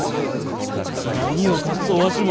何を隠そうわしも。